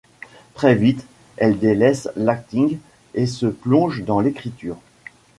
Très vite, elle délaisse l’acting et se plonge dans l’écriture.